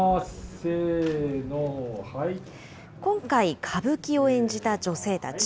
今回、歌舞伎を演じた女性たち。